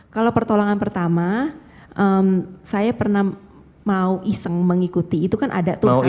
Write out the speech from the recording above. kalau pertolongan pertama saya pernah mau iseng mengikuti itu kan ada tuh saya